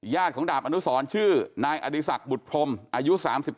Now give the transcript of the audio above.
ของดาบอนุสรชื่อนายอดีศักดิ์บุตรพรมอายุ๓๒